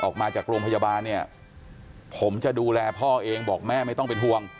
ออกมาจากโรงพยาบาลเนี่ยผมจะดูแลพ่อเองบอกแม่ไม่ต้องเป็นห่วง